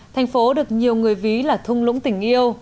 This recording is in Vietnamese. thành phố được nhiều người ví là thung lũng tình yêu